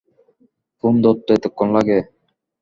Phone ধরতে এতক্ষণ লাগে?